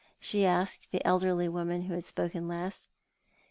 she asked the elderly woman who had spoken last.